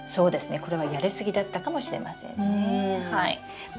これはやり過ぎだったかもしれませんね。